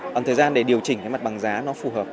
thời gian để điều chỉnh mặt bằng giá nó phù hợp